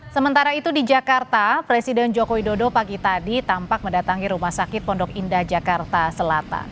sementara itu di jakarta presiden joko widodo pagi tadi tampak mendatangi rumah sakit pondok indah jakarta selatan